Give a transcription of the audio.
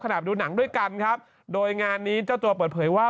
ดูหนังด้วยกันครับโดยงานนี้เจ้าตัวเปิดเผยว่า